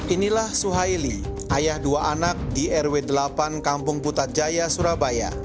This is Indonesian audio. inilah suhaily ayah dua anak di rw delapan kampung putrajaya surabaya